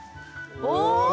お！